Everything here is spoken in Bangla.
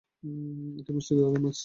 এটি মিষ্টি জলের মাছ।